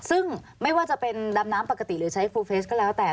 ซึ่งไม่ว่าจะเป็นดำน้ำปกติหรือใช้ฟูเฟสก็แล้วแต่